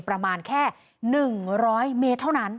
ประมาณแค่๑๐๐เมตรเท่านั้น